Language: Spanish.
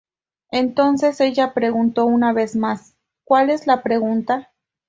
Entonces ella preguntó una vez más ¿Cuál es la pregunta?